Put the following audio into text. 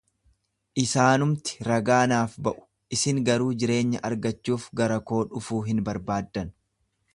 Isaanumti ragaa naaf ba’u, isin garuu jireenya argachuuf gara koo dhufuu hin barbaaddan.